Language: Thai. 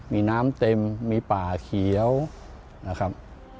มีน้ำเต็มมีป่าเขียวนะครับ